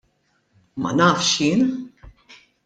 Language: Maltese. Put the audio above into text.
Ma nafx jien.